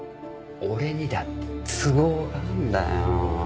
俺にだって都合があるんだよ。